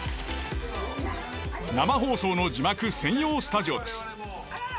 生放送の字幕専用スタジオです。